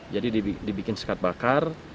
jadi dibikin sekat bakar